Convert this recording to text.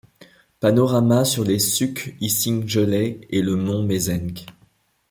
Panorama sur les sucs Yssingelais et le Mont Mézenc.